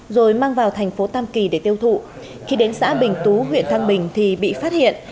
rồi mang vào thành phố tam kỳ để tiêu thụ khi đến xã bình tú huyện thăng bình thì bị phát hiện